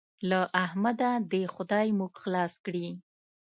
له احمده دې خدای موږ خلاص کړي.